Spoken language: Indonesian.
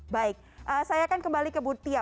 baik saya akan kembali ke butia